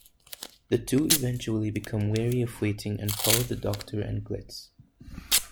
The two eventually become weary of waiting and follow the Doctor and Glitz.